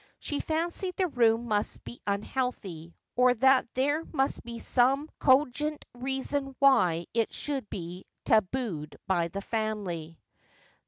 She fancied the room must be unhealthy, or that there must be some cogent reason why it should be tabooed by the family.